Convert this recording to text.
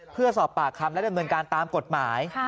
เพื่อสอบปากคำและดำเนินการตามกฎหมาย